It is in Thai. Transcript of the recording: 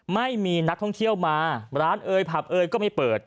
ไม่มีนักท่องเที่ยวมาร้านเอยผับเอยก็ไม่เปิด